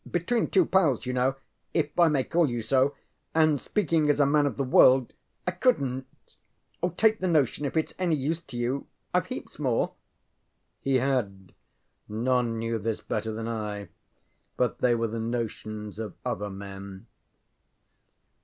Between two pals, you know, if I may call you so, and speaking as a man of the world, I couldnŌĆÖt. Take the notion if itŌĆÖs any use to you. IŌĆÖve heaps more. ŌĆØ He had none knew this better than I but they were the notions of other men.